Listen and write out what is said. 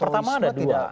pertama ada dua